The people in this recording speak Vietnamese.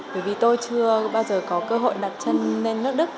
bởi vì tôi chưa bao giờ có cơ hội đặt chân lên nước đức